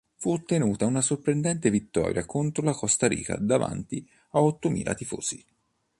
Fu ottenuta una sorprendente vittoria contro la Costa Rica davanti a ottomila tifosi.